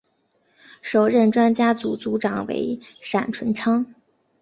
首任专家组组长为闪淳昌。